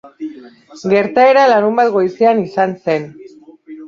Gertaera larunbat goizean izan zen.